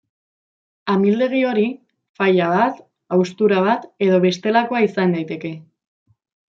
Amildegi hori faila bat, haustura bat edo bestelakoa izan daiteke.